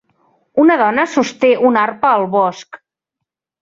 Una dona sosté una arpa al bosc.